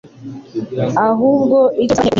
Ahubwo icyo dusaba Inteko niki